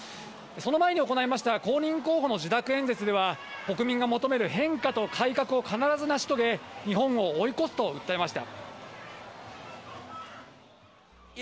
その前に行いました公認候補の受諾演説では、国民が求める変化と改革を必ず成し遂げ、日本を追い越すと訴えました。